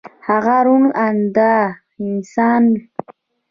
هغه روڼ انده انسان او لوړې زدکړې لرونکی و